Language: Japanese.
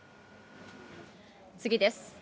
次です。